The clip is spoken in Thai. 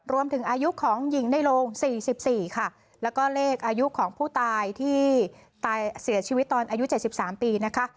รวมถึงอายุของหญิงในโรงสี่สิบสี่ค่ะแล้วก็เลขอายุของผู้ตายที่ตายเสียชีวิตตอนอายุเจ็ดสิบสามปีนะคะ